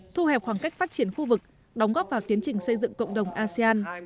thu hẹp khoảng cách phát triển khu vực đóng góp vào tiến trình xây dựng cộng đồng asean